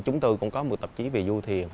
chúng tôi cũng có một tạp chí về du thiền